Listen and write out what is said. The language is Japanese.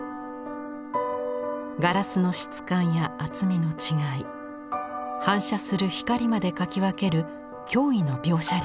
ガラスの質感や厚みの違い反射する光まで描き分ける驚異の描写力。